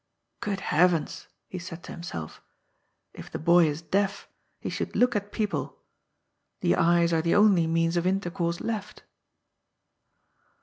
" Good heavens !" he said to himself ;" if the boy is deaf, he should look at people. The eyes are the only means of intercourse left."